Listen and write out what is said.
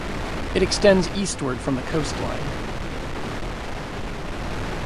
It extends eastward from the coastline.